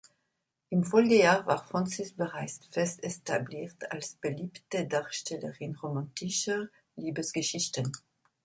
Im Folgejahr war Francis bereits fest etabliert als beliebte Darstellerin romantischer Liebesgeschichten.